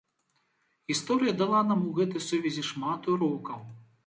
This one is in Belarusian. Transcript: Гісторыя дала нам у гэтай сувязі шмат урокаў.